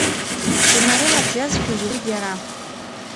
Днарылабжьазшәа иуит иара.